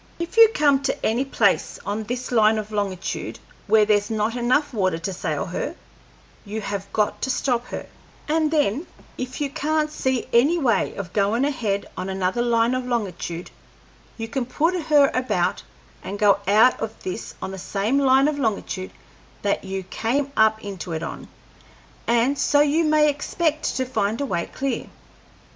If you come to any place on this line of longitude where there's not enough water to sail her, you have got to stop her; and then, if you can't see any way of goin' ahead on another line of longitude, you can put her about and go out of this on the same line of longitude that you came up into it on, and so you may expect to find a way clear.